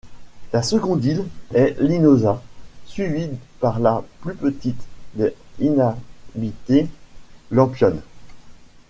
La seconde île est Linosa suivie par la plus petite et inhabitée Lampione.